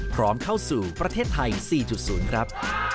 พร้อมเข้าสู่ประเทศไทย๔๐ครับ